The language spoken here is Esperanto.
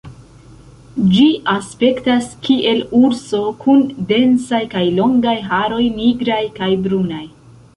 Ĝi aspektas kiel urso, kun densaj kaj longaj haroj nigraj kaj brunaj.